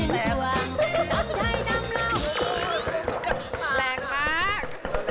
แรงมาก